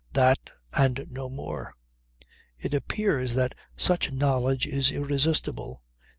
That and no more. It appears that such knowledge is irresistible.